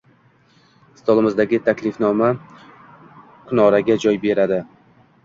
Stolimizdagi taklifnoma kunoraga joy beradi